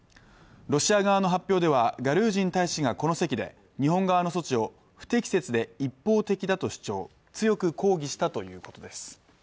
ロシア側の発表では、ガルージン大使がこの席で日本側の措置を不適切で一方的だと主張、強く抗議したということです。